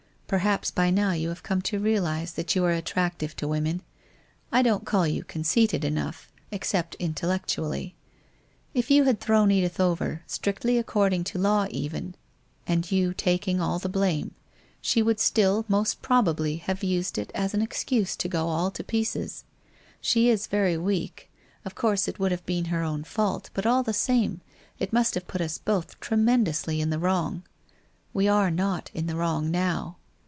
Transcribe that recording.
Perhaps by now you have come to realize that you are attractive to women — I don't call you conceited enough, except intellectually. If you had thrown Edith over, strictly according to law even, and you taking all the blame, she would still most probably have used it as an excuse to go all to pieces. She is very weak, of course it would have been her own fault, but all the same, it must have put us both tremendously in the wrong. We are not in the wrong now.